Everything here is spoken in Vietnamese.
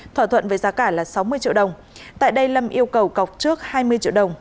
thỏa thuận với giá cả là sáu mươi triệu đồng tại đây lâm yêu cầu cọc trước hai mươi triệu đồng